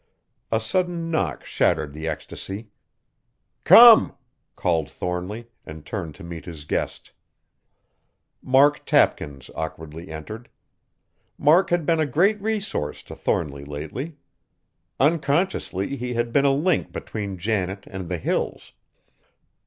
A sudden knock shattered the ecstasy. "Come!" called Thornly and turned to meet his guest. Mark Tapkins awkwardly entered. Mark had been a great resource to Thornly lately. Unconsciously he had been a link between Janet and the Hills.